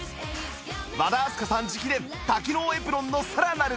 和田明日香さん直伝多機能エプロンのさらなる活用法も